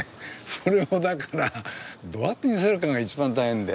それをだからどうやって見せるかが一番大変で。